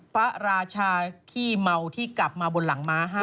พระราชาขี้เมาที่กลับมาบนหลังม้า๕